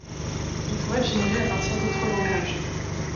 Il pourra être généré à partir d’autres langages.